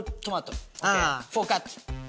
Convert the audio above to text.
フォーカット？